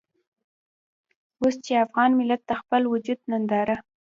اوس چې افغان ملت د خپل وجود ننداره.